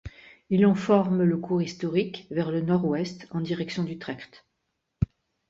Il en forme le cours historique, vers le nord-ouest, en direction d'Utrecht.